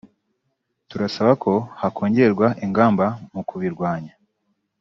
turasaba ko hakongerwa ingamba mu kubirwanya”